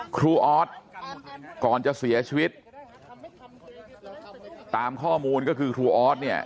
ออสก่อนจะเสียชีวิตตามข้อมูลก็คือครูออสเนี่ย